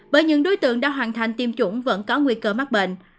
bởi những đối tượng đã hoàn thành tiêm chủng vẫn có nguy cơ mắc bệnh